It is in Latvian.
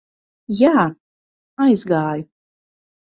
Jā, aizgāju.